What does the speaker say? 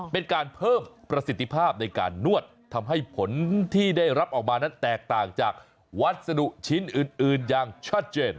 เป็นการเพิ่มประสิทธิภาพในการนวดทำให้ผลที่ได้รับออกมานั้นแตกต่างจากวัสดุชิ้นอื่นอย่างชัดเจน